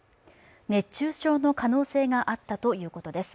熱中症の可能性があったということです。